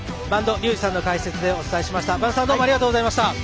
播戸竜二さんの解説でお伝えしました。